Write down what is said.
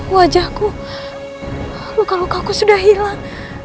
wajahku luka lukaku sudah hilang